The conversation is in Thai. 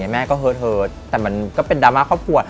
แม่ก็เฮดแต่มันก็เป็นดราม่าครอบครัว